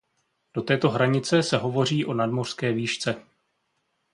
Do této hranice se hovoří o nadmořské výšce.